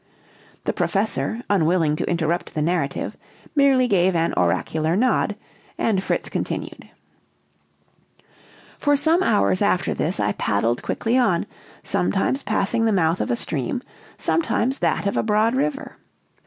The Professor, unwilling to interrupt the narrative, merely gave an oracular nod, and Fritz continued: "For some hours after this I paddled quickly on, sometimes passing the mouth of a stream, sometimes that of a broad river.